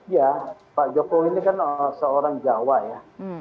ya pak jokowi ini kan seorang jawa ya